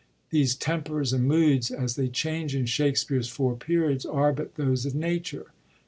These tempers and moods, as they change in Shak spere's Four Periods, are but those of nature.